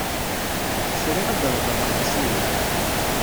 Sriɣ ad d-reḍleɣ tasiwant.